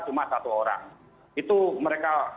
cuma satu orang itu mereka